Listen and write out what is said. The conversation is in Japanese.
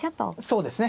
そうですね。